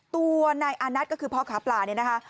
ตัวนายอานัทก็คือพ่อค้าปลาเนี่ยนะคะ